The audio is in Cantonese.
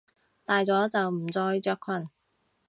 大咗就唔再着裙！